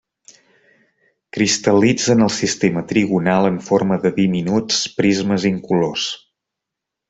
Cristal·litza en el sistema trigonal en forma de diminuts prismes incolors.